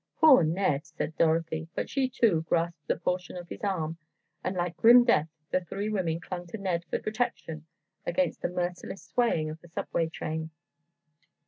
"Poor Ned," said Dorothy, but she, too, grasped a portion of his arm, and like grim death the three women clung to Ned for protection against the merciless swaying of the subway train.